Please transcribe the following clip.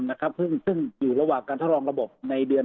นะครับซึ่งซึ่งอยู่ระหว่างการทดลองระบบในเดือน